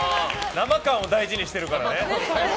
生感を大事にしてるからね。